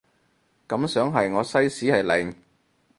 感想係我西史係零